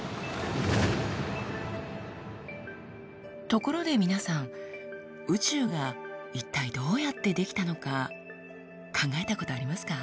ところで皆さん宇宙が一体どうやって出来たのか考えたことありますか？